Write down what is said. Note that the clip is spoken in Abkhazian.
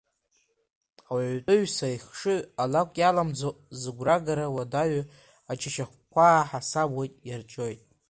Ауаҩытәыҩса ихшыҩ алакә иаламӡо, зыгәрагара уадаҩу аџьашьахәқәа аҳасабуеит, иарҿиоит.